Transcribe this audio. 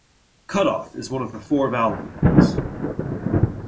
Cutoff is one of the four valve events.